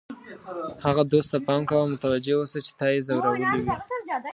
هغه دوست ته پام کوه او متوجه اوسه چې تا یې ځورولی وي.